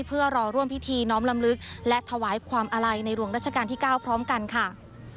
เพื่อรอร่วมพิธีน้อมลำลึกและถวายความอาลัยในหลวงรัชกาลที่๙พร้อมกันค่ะ